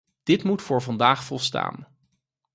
Dit moet voor vandaag volstaan.